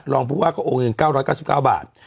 รองผู้ว่าก็โอนเงิน๙๙บาท